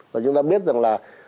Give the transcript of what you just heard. và chúng ta biết rằng là